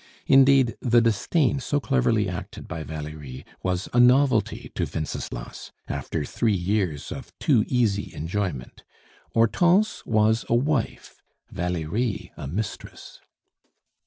Indeed, the disdain so cleverly acted by Valerie was a novelty to Wenceslas, after three years of too easy enjoyment. Hortense was a wife; Valerie a mistress.